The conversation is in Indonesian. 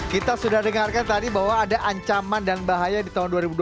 kita sudah dengarkan tadi bahwa ada ancaman dan bahaya di tahun dua ribu dua puluh